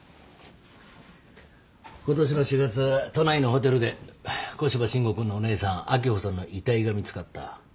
今年の４月都内のホテルで古芝伸吾君のお姉さん秋穂さんの遺体が見つかった。